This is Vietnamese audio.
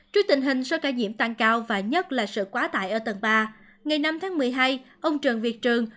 trước tình hình số ca nhiễm tăng cao và nhất là sự quá tải ở tầng ba ngày năm tháng một mươi hai ông trần việt trường